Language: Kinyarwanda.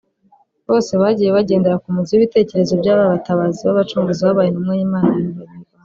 bose bagiye bagendera ku muzi w’ibitekerezo by’aba Batabazi b’abacunguzi babaye Intumwa y’Imana ku Banyarwanda